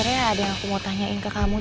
sebenernya ada yang aku mau tanyain ke kamu lagi